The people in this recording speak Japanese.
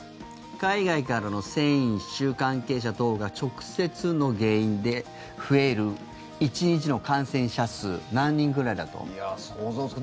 海外からの選手、関係者等が直接の原因で増える１日の感染者数何人くらいだと思いますか？